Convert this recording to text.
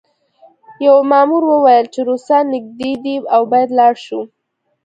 یوه مامور وویل چې روسان نږدې دي او باید لاړ شو